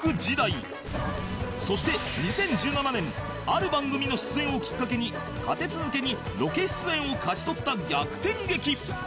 そして２０１７年ある番組の出演をきっかけに立て続けにロケ出演を勝ち取った逆転劇